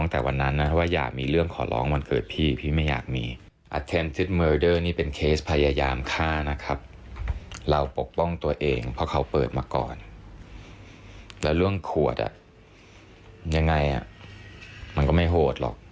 แต่เรื่องขวดอ่ะยังไงอ่ะมันก็ไม่โหดหรอก